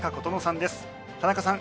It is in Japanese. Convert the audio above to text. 田中さん